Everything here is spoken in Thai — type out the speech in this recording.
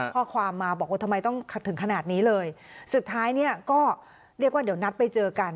ข้อความมาบอกว่าทำไมต้องถึงขนาดนี้เลยสุดท้ายเนี่ยก็เรียกว่าเดี๋ยวนัดไปเจอกัน